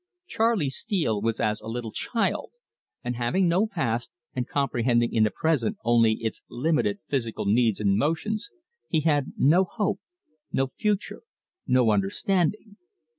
Charley Steele was as a little child, and having no past, and comprehending in the present only its limited physical needs and motions, he had no hope, no future, no understanding.